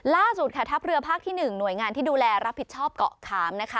ล่าสุดค่ะทัพเรือภาคที่๑หน่วยงานที่ดูแลรับผิดชอบเกาะขามนะคะ